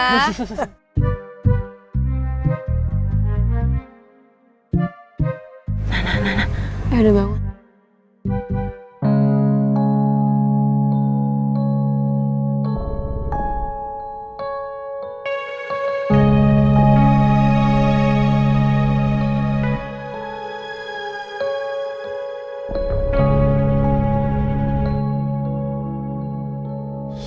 nah nah nah udah bangun